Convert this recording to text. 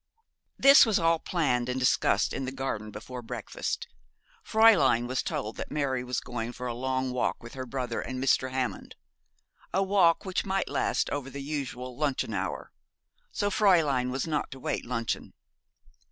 This was planned and discussed in the garden before breakfast. Fräulein was told that Mary was going for a long walk with her brother and Mr. Hammond; a walk which might last over the usual luncheon hour; so Fräulein was not to wait luncheon.